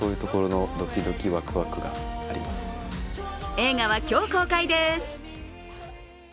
映画は今日公開です。